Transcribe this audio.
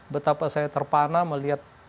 betapa saya terpana melihat